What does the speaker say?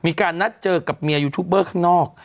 มีการนัดเจอกับเมียยูทูปเบอร์ข้างนอก